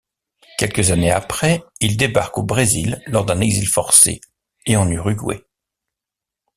Quelques années après il débarque au Brésil lors d'un exil forcé, et en Uruguay.